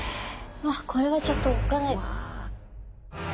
これはちょっとおっかない。